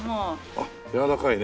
あっ柔らかいね。